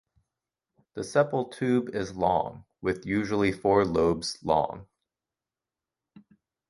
The sepal tube is long with usually four lobes long.